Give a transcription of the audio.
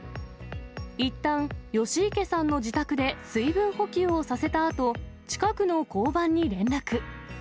いったん、吉池さんの自宅で水分補給をさせたあと、近くの交番に連絡。